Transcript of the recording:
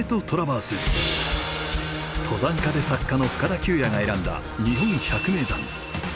登山家で作家の深田久弥が選んだ日本百名山。